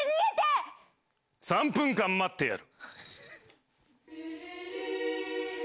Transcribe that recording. ３分間待ってやる。